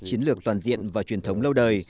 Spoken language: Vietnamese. chiến lược toàn diện và truyền thống lâu đời